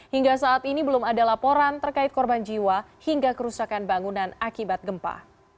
hingga saat ini belum ada laporan terkait korban jiwa hingga kerusakan bangunan akibat gempa